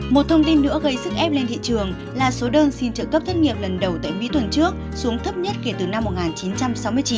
một thông tin nữa gây sức ép lên thị trường là số đơn xin trợ cấp thất nghiệp lần đầu tại mỹ tuần trước xuống thấp nhất kể từ năm một nghìn chín trăm sáu mươi chín